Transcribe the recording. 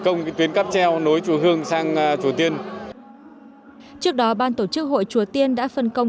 công cái tuyến cáp treo nối chùa hương sang chùa tiên trước đó ban tổ chức hội chùa tiên đã phân công